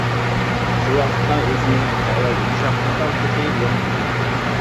شۇ ۋاقىتتا ئۆزىمىزگە تەۋە يۇمشاق دېتال تېخى يوق ئىدى.